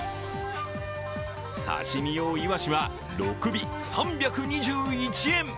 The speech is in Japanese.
刺身用イワシは６尾３２１円。